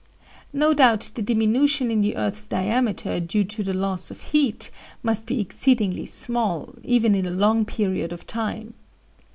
No doubt the diminution in the earth's diameter due to the loss of heat must be exceedingly small, even in a long period of time.